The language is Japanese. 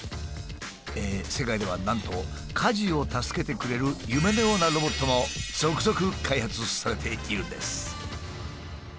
世界ではなんと家事を助けてくれる夢のようなロボットも続々開発されているんです。